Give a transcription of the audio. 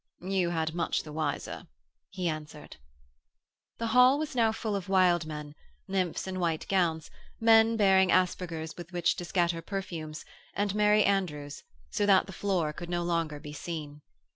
'You had much the wiser,' he answered. The hall was now full of wild men, nymphs in white gowns, men bearing aspergers with which to scatter perfumes, and merry andrews, so that the floor could no longer be seen.